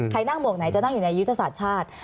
นั่งหมวกไหนจะนั่งอยู่ในยุทธศาสตร์ชาติ